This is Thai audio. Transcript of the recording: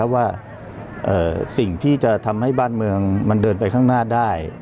ว่าสิ่งที่จะทำให้บ้านเมืองมันเดินไปข้างหน้าได้